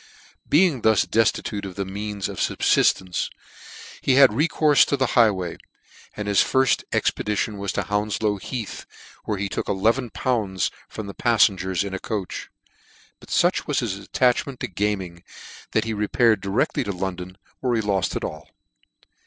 Being thus deftitute of the means of fubfiftance he had recourfe to the highway, and his firfl ex pedition was to Hounflow Heath, where he took eleven pounds from the paffengers in a coach ; but fuch was his attachment to gaming, that he repaired directly to London, where he loft it all.